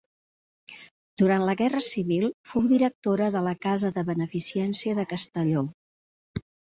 Durant la Guerra Civil fou directora de la Casa de Beneficència de Castelló.